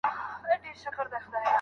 پلار به زوی ته نصيحت کوي.